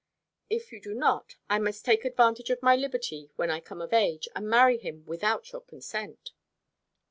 "If you do not, I must take advantage of my liberty, when I come of age, and marry him without your consent."